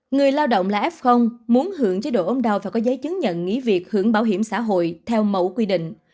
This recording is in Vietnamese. người lao động là f muốn hưởng chế độ ốm đau và có giấy chứng nhận nghỉ việc hưởng bảo hiểm xã hội theo mẫu quy định